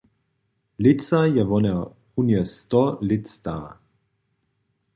Lětsa je wona runje sto lět stara.